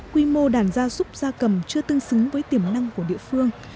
quy mô đàn gia súc gia cầm chưa tương xứng với tiềm năng của địa phương